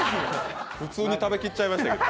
普通に食べきっちゃいましたけど。